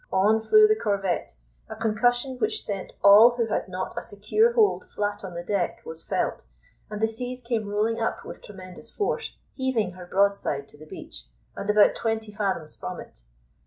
On flew the corvette; a concussion which sent all who had not a secure hold flat on the deck was felt, and the seas came rolling up with tremendous force, heaving her broadside to the beach, and about twenty fathoms from it.